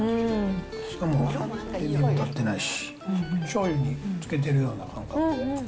しかも塩味も立ってないし、しょうゆにつけているような感覚で。